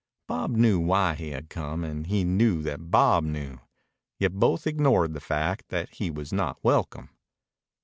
Bob knew why he had come, and he knew that Bob knew. Yet both ignored the fact that he was not welcome.